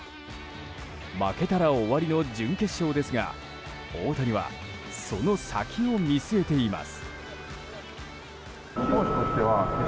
負けたら終わりの準決勝ですが大谷はその先を見据えています。